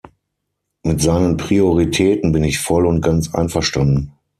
Mit seinen Prioritäten bin ich voll und ganz einverstanden.